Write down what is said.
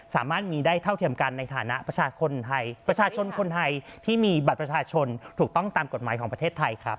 สามารถมีได้เท่าเทียมกันในฐานะประชาชนไทยประชาชนคนไทยที่มีบัตรประชาชนถูกต้องตามกฎหมายของประเทศไทยครับ